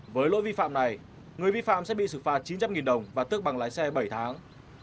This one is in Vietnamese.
với lỗi vi phạm này người vi phạm sẽ bị xử phạt chín trăm linh đồng và tước bằng lái xe bảy tháng